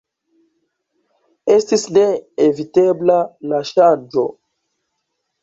Estis ne evitebla la ŝanĝo.